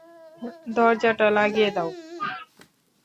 দরজাটা লাগিয়ে দাও!